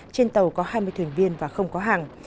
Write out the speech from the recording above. trên tàu có hai mươi thuyền viên và không có hàng